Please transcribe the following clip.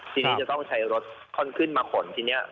ทีนี้จะต้องใช้รถค่อนขึ้นมาขนทีนี้